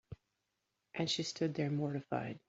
And she stood there mortified.